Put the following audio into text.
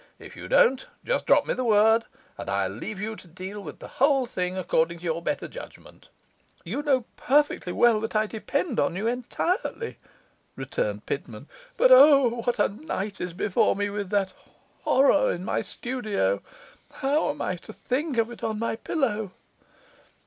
If you don't, just drop me the word, and I'll leave you to deal with the whole thing according to your better judgement.' 'You know perfectly well that I depend on you entirely,' returned Pitman. 'But O, what a night is before me with that horror in my studio! How am I to think of it on my pillow?